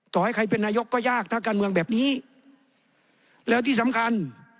ให้ใครเป็นนายกก็ยากถ้าการเมืองแบบนี้แล้วที่สำคัญ